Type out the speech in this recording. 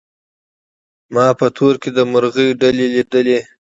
ما په تور کي د مرغۍ ډلي لیدلې